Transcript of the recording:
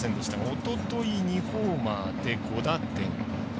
おととい２ホーマーで５打点。